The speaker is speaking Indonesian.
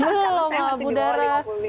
jeluh mbak bu dara